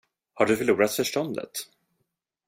Har du förlorat förståndet?